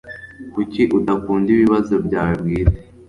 Kuki udakunda ibibazo byawe bwite?